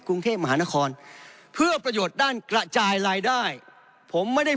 กรุงเทพมหานครเพื่อประโยชน์ด้านกระจายรายได้ผมไม่ได้